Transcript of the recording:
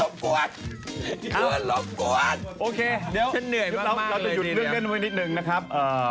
โอเคเดี๋ยวเราจะหยุดเรื่องเล่นไปเนาะนิดหนึ่งนะครับ